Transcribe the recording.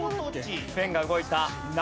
ペンが動いた。